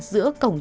giữa cổng chợ